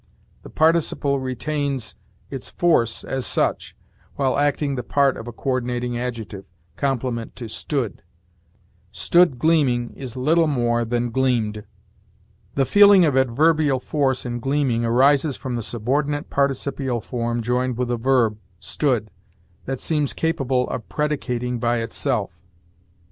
The participle retains its force as such, while acting the part of a coördinating adjective, complement to 'stood'; 'stood gleaming' is little more than 'gleamed.' The feeling of adverbial force in 'gleaming' arises from the subordinate participial form joined with a verb, 'stood,' that seems capable of predicating by itself.